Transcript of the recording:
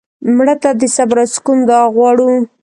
مړه ته د صبر او سکون دعا غواړو